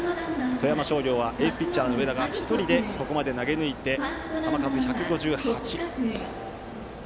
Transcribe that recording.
富山商業はエースピッチャーの上田が１人でここまで投げ抜いて球数１５８。